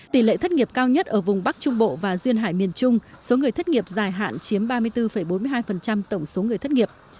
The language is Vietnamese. tỷ lệ thất nghiệp cao nhất ở vùng bắc trung bộ và duyên hải miền trung số người thất nghiệp dài hạn chiếm ba mươi bốn bốn mươi hai tổng số người thất nghiệp